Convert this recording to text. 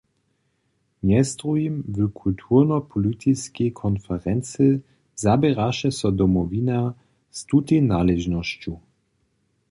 Mjez druhim w kulturno-politiskej konferency zaběraše so Domowina z tutej naležnosću.